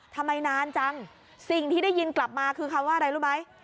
ทำไมนานจังสิ่งที่ได้ยินกลับมาคือคำว่าอะไรรู้ไหม